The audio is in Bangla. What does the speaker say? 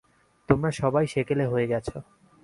তোমরা সবাই সেকেলে হয়ে গেছ।